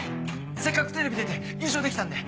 せっかくテレビ出て優勝できたんで。